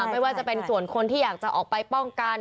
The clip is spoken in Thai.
ไม่ว่าจะเป็นส่วนคนที่อยากจะออกไปป้องกัน